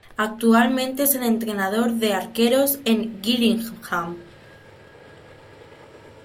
Actualmente es el entrenador de arqueros en Gillingham.